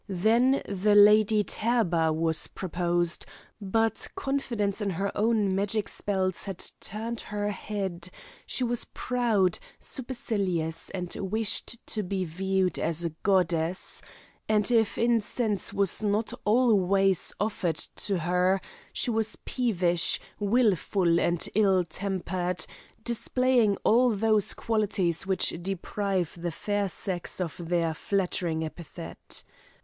Then the Lady Therba was proposed, but confidence in her own magic spells had turned her head, she was proud, supercilious, and wished to be viewed as a goddess; and if incense was not always offered to her, she was peevish, wilful and ill tempered, displaying all those qualities which deprive the fair sex of their flattering epithet.